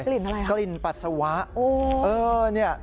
กริ่นอะไรครับปัสสาวะโอ้เนี่ย